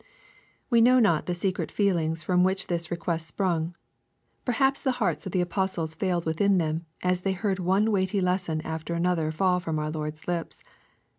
We know not the secret feelings from which this re quest sprung. Perhaps the hearts of the apostles failed within them, as they heard one weighty lesson after another faU from our Lord's lips.